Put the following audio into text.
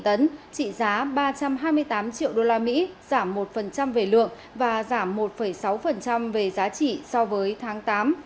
trị giá ba trăm hai mươi tám triệu đô la mỹ giảm một về lượng và giảm một sáu về giá trị so với tháng tám